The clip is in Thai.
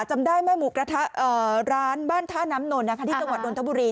จำได้แม่หมูกระทะร้านบ้านท่าน้ำนนที่จังหวัดนทบุรี